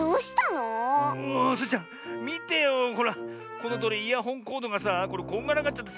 このとおりイヤホンコードがさこんがらがっちゃってさ